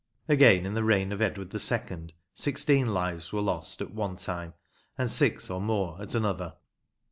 Again, in the reign of Edward II., sixteen lives were lost at one time and six or more at another.